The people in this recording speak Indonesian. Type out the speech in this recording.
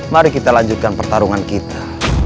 mari kita lanjutkan pertarungan kita